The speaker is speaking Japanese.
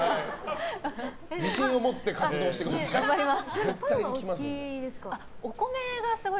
自信を持って活動してください。